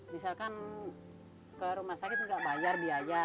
misalkan ke rumah sakit nggak bayar biaya